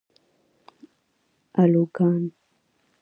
الوگان